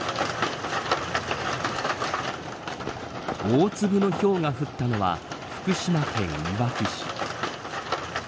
大粒のひょうが降ったのは福島県いわき市。